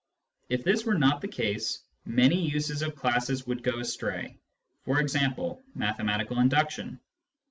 If this were not the case, many uses of classes would go astray — for example, mathematical induction.